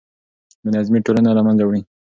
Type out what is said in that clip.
بې نظمي ټولنه له منځه وړي.